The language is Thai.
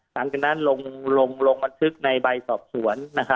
หลังจากนั้นลงบันทึกในใบสอบสวน